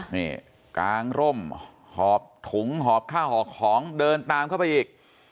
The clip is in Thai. นี่กางร่มหอบถุงหอบข้าวหอบของเดินตามเข้าไปอีก